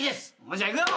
じゃあいくよ。